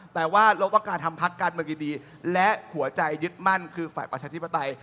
แต่ว่าเราต้องการทำพักการเมืองดีและหัวใจยึดมั่นคือฝ่ายประชาธิปไตย